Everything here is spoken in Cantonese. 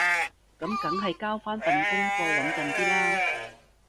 噉梗係交返份功課穩陣啲啦